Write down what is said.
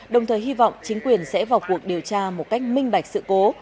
đồng thời hy vọng chính quyền sẽ vào cuộc điều tra một cách minh bạch sự cố